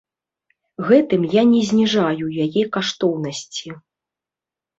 Гэтым я не зніжаю яе каштоўнасці.